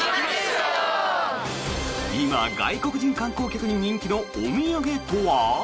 今、外国人観光客に人気のお土産とは？